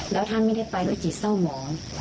แล้วท่านไม่ได้ไปด้วยจิตเศร้าหมอ